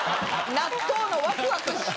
納豆のワクワクしたのに。